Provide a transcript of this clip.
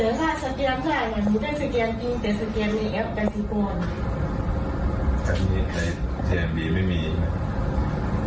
แต่ถ้าสแกนแหล่งอย่างนี้ได้สแกนดีแต่สแกนในแอปเป็นสิ่งกว่า